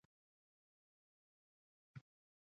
افغانستان د نفت په برخه کې نړیوالو بنسټونو سره کار کوي.